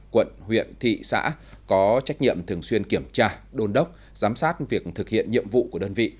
quận huyện thị xã có trách nhiệm thường xuyên kiểm tra đôn đốc giám sát việc thực hiện nhiệm vụ của đơn vị